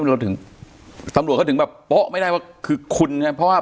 เราถึงตำรวจเขาถึงแบบโป๊ะไม่ได้ว่าคือคุณไงเพราะว่า